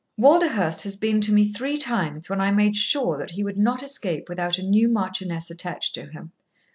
"Walderhurst has been to me three times when I made sure that he would not escape without a new marchioness attached to him.